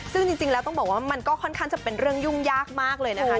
ซึ่งจริงแล้วต้องบอกว่ามันก็ค่อนข้างจะเป็นเรื่องยุ่งยากมากเลยนะคะ